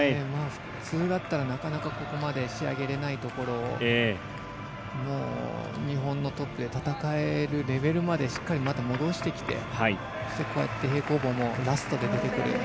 普通だったらなかなかここまで仕上げられないところを日本のトップで戦えるレベルまでしっかり戻してきて平行棒もラストで出てくる。